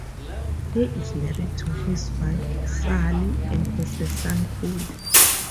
He is married to his wife, Sally, and has a son, Cole.